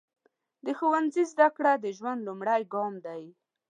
د ښوونځي زده کړه د ژوند لومړی ګام دی.